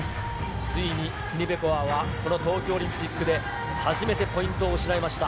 ついにティニベコワは、この東京オリンピックで初めてポイントを失いました。